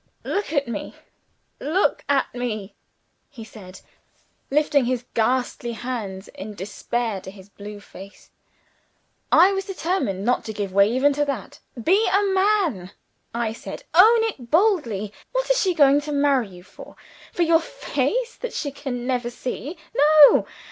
Look at me! look at me!" he said, lifting his ghastly hands in despair to his blue face. I was determined not to give way even to that. "Be a man!" I said. "Own it boldly. What is she going to marry you for? For your face that she can never see? No!